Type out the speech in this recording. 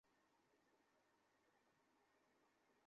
তুমিই ঠিক বলেছ।